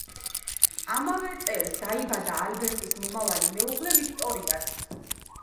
ამავე წელს დაიბადა ალბერტის მომავალი მეუღლე ვიქტორიაც.